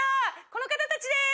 この方たちです！